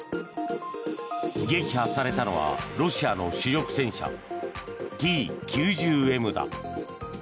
撃破されたのはロシアの主力戦車、Ｔ９０Ｍだ。